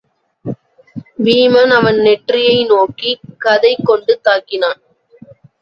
வீமன் அவன் நெற்றியை நோக்கிக் கதை கொண்டு தாக்கினான்.